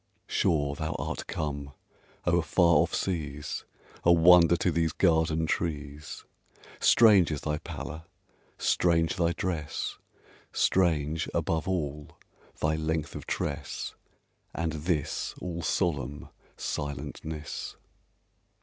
Sure thou art come o'er far off seas, A wonder to these garden trees! Strange is thy pallor! strange thy dress! Strange, above all, thy length of tress, And this all solemn silentness!